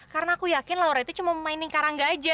karena aku yakin laura itu cuma mainin karangga aja